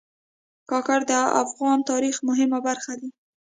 کاکړ د افغان تاریخ مهمه برخه دي.